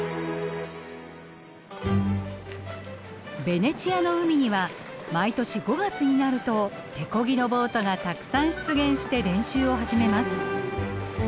ベネチアの海には毎年５月になると手漕ぎのボートがたくさん出現して練習を始めます。